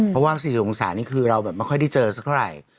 เพราะว่า๔๐องศานี่คือเราแบบไม่ค่อยได้เจอสักเท่าไหร่